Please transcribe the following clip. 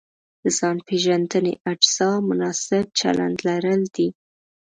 د ځان پېژندنې اجزا مناسب چلند لرل دي.